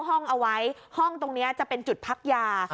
ห้องเอาไว้ห้องตรงนี้จะเป็นจุดพักยา